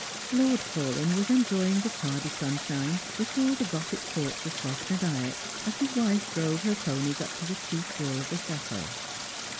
Lord Paulyn was enjoying the tardy sunshine before the Gothic porch of Slogh na Dyack as his wife drove her ponies uj? to the chief door of the cahteau.